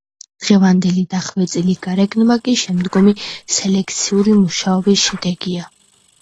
დღევანდელი დახვეწილი გარეგნობა კი შემდგომი სელექციური მუშაობის შედეგია.